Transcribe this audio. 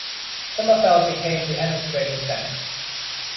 Sommerfeld became the administrative center.